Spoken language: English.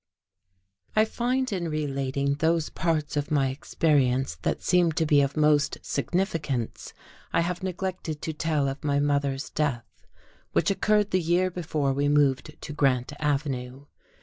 I find in relating those parts of my experience that seem to be of most significance I have neglected to tell of my mother's death, which occurred the year before we moved to Grant Avenue.